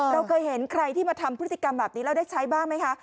เราเคยเห็นใครที่มาทำพฤติกรรมแบบนี้เราได้ใช้บ้างไหมคะ